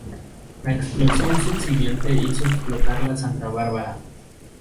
La explosión subsiguiente hizo explotar la santabárbara.